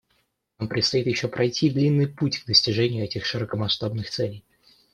Нам предстоит еще пройти длинный путь к достижению этих широкомасштабных целей.